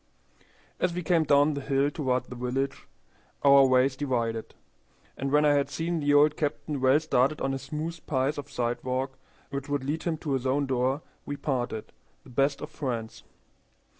As we came down the hill toward the village our ways divided, and when I had seen the old captain well started on a smooth piece of sidewalk which would lead him to his own door, we parted, the best of friends.